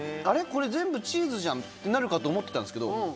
これ全部チーズじゃんってなるかと思ってたんですけど